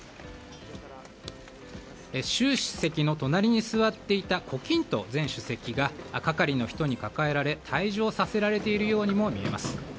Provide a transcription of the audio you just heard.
習主席の隣に座っていた胡錦涛前主席が係りの人に抱えられ退場させられているようにも見えます。